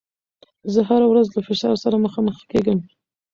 زه هره ورځ له فشار سره مخامخېږم.